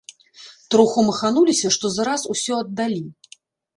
Троху махануліся, што за раз усё аддалі.